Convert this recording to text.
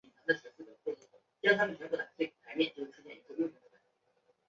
白下区源于民国时期的第二区。